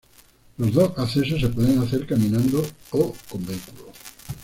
Lo dos accesos se puede hacer caminando o con vehículo.